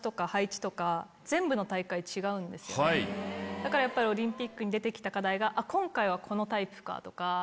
だからオリンピックに出て来た課題が今回はこのタイプかとか。